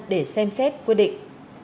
để xem xét quyết định